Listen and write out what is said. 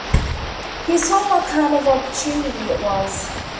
He saw what kind of an opportunity it was.